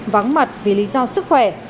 vắng mặt vì lý do sức khỏe